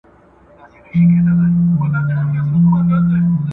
انسان تر فشار لاندې ژر ستړی کېږي.